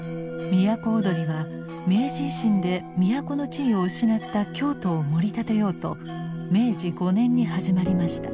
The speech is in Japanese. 都をどりは明治維新で都の地位を失った京都をもり立てようと明治５年に始まりました。